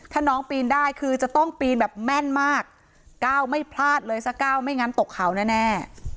ถ้าน้องปีนได้คือจะต้องปีนแบบแม่นมากก้าวไม่พลาดเลยสักก้าวไม่งั้นตกเขาแน่